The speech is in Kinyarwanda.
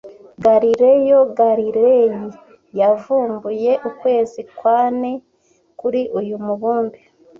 Galileo Galilei yavumbuye ukwezi kwane kuri uyu mubumbe